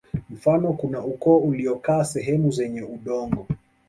Mfano kuna ukoo uliokaa sehemu zenye udongo